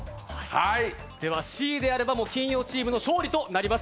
Ｃであれば金曜チームの勝利となります。